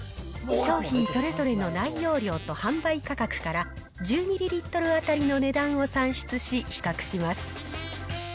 商品それぞれの内容量と販売価格から１０ミリリットル当たりの値段を算出し、比較します。